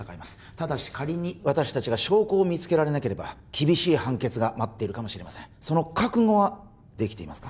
ただし仮に私達が証拠を見つけられなければ厳しい判決が待っているかもしれませんその覚悟はできていますか？